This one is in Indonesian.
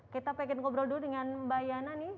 kita pengen ngobrol dulu dengan mbak yana nih